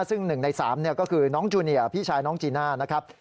ซึ่ง๑ใน๓ก็คือน้องจูเนียร์พี่ชายน้องจีน่านะครับ